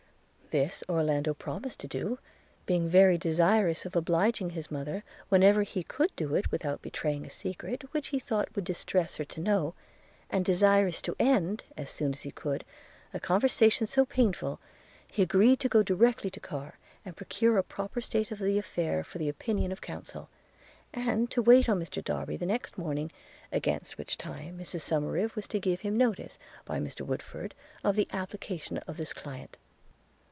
This Orlando promised to do, being very desirous of obliging his mother wherever he could do it without betraying a secret which he thought it would distress her to know; and, desirous to end as soon as he could a conversation so painful, he agreed to go directly to Carr, and procure a proper state of the affair for the opinion of counsel; and to wait on Mr Darby the next morning, against which time Mrs Somerive was to give him notice, by Mr Woodford, of the application of this client.